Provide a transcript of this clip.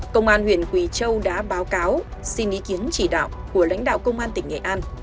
công an huyện quỳ châu đã báo cáo xin ý kiến chỉ đạo của lãnh đạo công an tỉnh nghệ an